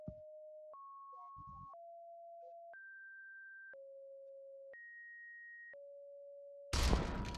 jaarita matek Godfrey Eshiwani noketo Barcelona e okang' ma mbele